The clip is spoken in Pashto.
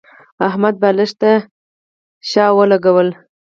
احمد بالښت ته ډډه ولګوله.